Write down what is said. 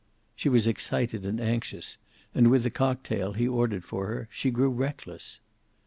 She was excited and anxious, and with the cocktail he ordered for her she grew reckless.